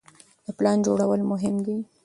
د پلان جوړول مهم دي.